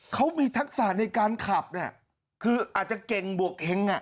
เค้ามีทักษะในการขับนะคืออาจจะเก่งบวกเฮ็ง